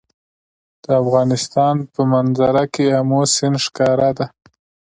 د افغانستان په منظره کې آمو سیند ښکاره ده.